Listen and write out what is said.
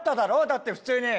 だって普通に。